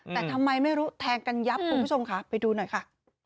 แต่ทำไมไม่รู้แทงกันยับคุณผู้ชมค่ะไปดูหน่อยค่ะ